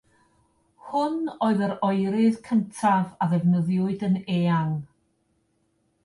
Hwn oedd yr oerydd cyntaf a ddefnyddiwyd yn eang.